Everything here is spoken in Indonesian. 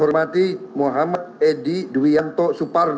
hari ini sebenarnya sekretaris